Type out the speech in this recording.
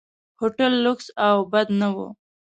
هوټل لکس او بد نه و.